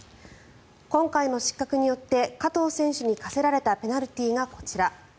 今回の失格によって加藤選手に科せられたペナルティーがこちら。